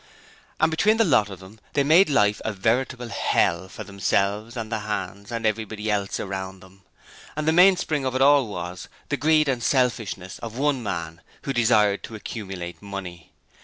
And between the lot of them they made life a veritable hell for themselves, and the hands, and everybody else around them. And the mainspring of it all was the greed and selfishness of one man, who desired to accumulate money!